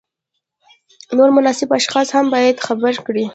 نور مناسب اشخاص هم باید خبر کړي.